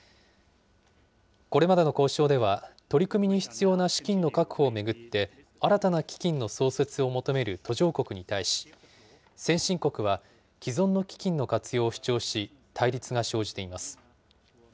これまでの交渉では、取り組みに必要な資金の確保を巡って、新たな基金の創設を求める途上国に対し、先進国は既存の基金の活用を主張し、対立が生じています。